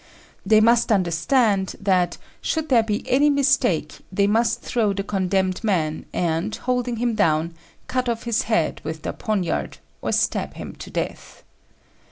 They must understand that should there be any mistake they must throw the condemned man, and, holding him down, cut off his head with their poniard, or stab him to death.